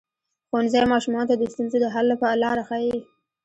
ښوونځی ماشومانو ته د ستونزو د حل لاره ښيي.